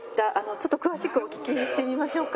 ちょっと詳しくお聞きしてみましょうか。